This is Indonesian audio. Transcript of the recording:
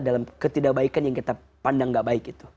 dalam ketidakbaikan yang kita pandang gak baik itu